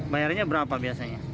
bayarnya berapa biasanya